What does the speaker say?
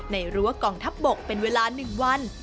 ในรั้วกล่องทับบกเป็นเวลาหนึ่งวัน